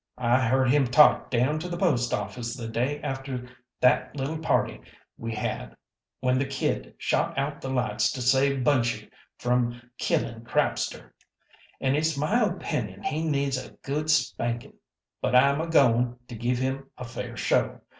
I heard him talk down to the post office the day after that little party we had when the Kid shot out the lights to save Bunchy from killin' Crapster, an' it's my opinion he needs a good spankin'; but I'm agoin' to give him a fair show.